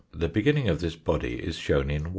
The beginning of this body is shown in 1.